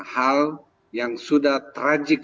hal yang sudah tragic